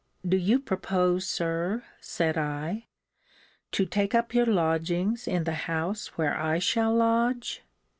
Do you propose, Sir, said I, to take up your lodgings in the house where I shall lodge?